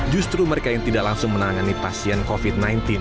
justru mereka yang tidak langsung menangani pasien covid sembilan belas